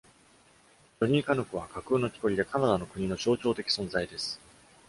ジョニー・カヌックは架空の木こりで、カナダの国の象徴的存在です。